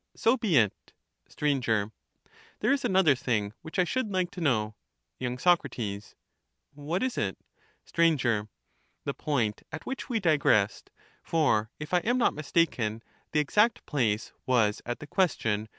So be it. Str. There is another thing which I should like to know. Y.Soc. What is it? Str. The point at which we digressed ; for, if I am not mistaken, the exact place was at the question.